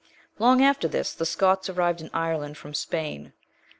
Long after this, the Scots arrived in Ireland from Spain.